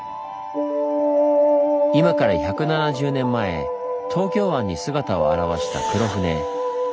今から１７０年前東京湾に姿を現した黒船。